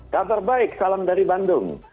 kabar baik salam dari bandung